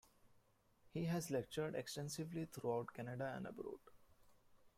He has lectured extensively throughout Canada and abroad.